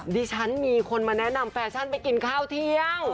ดิฉันมีคนมาแนะนำแฟชั่นไปกินข้าวเที่ยง